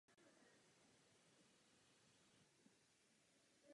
Za tento výsledek byl policejním prezidentem mimořádně povýšen do hodnosti podplukovníka.